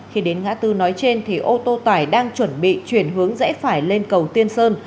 khi đến ngã tư nói trên thì ô tô tải đang chuẩn bị chuyển hướng rẽ phải lên cầu tiên sơn